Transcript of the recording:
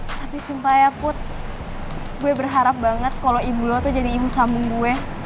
tapi supaya put gue berharap banget kalau ibu lo tuh jadi ibu sambung gue